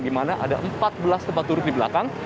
di mana ada empat belas tempat duduk di belakang